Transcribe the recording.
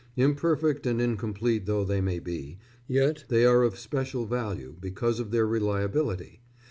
Imperfect and incomplete though they may be, yet they are of special value because of their reliability.